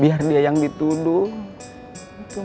biar dia yang ngebutin pakur